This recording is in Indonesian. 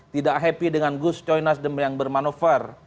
tidak happy dengan gus coinas yang bermanover